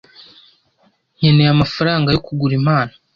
Nkeneye amafaranga yo kugura impano.